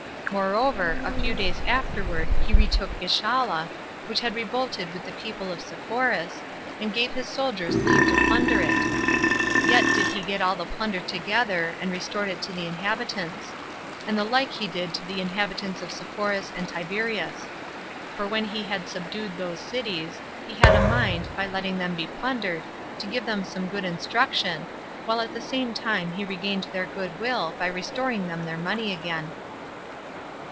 Moreover, a few days afterward he retook Gischala, which had revolted with the people of Sepphoris, and gave his soldiers leave to plunder it; yet did he get all the plunder together, and restored it to the inhabitants; and the like he did to the inhabitants of Sepphoris and Tiberias. For when he had subdued those cities, he had a mind, by letting them be plundered, to give them some good instruction, while at the same time he regained their good will by restoring them their money again.